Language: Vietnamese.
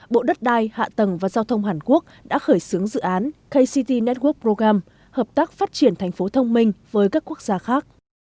bộ đất đai hạ tầng và giao thông hàn quốc đã khởi xướng dự án kct network program hợp tác phát triển thành phố thông minh với các quốc gia khác